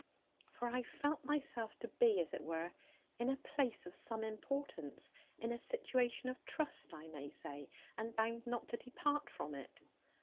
For I felt myself to be, as it were, in a place of some importance; in a situation of trust, I may say; and bound not to depart from it.